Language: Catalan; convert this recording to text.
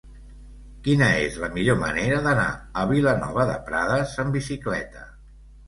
Quina és la millor manera d'anar a Vilanova de Prades amb bicicleta?